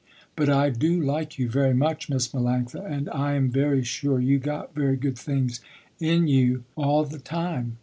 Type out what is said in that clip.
But I do like you very much Miss Melanctha and I am very sure you got very good things in you all the time.